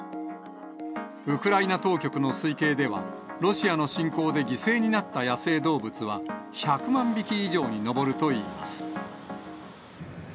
ウクライナ当局の推計では、ロシアの侵攻で犠牲になった野生動物は、１００万匹以上に上るといいます。